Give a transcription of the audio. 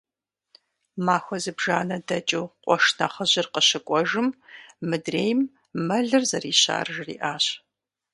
Махуэ зыбжанэ дэкӀыу къуэш нэхъыжьыр къыщыкӀуэжым, мыдрейм мэлыр зэрищар жриӀащ.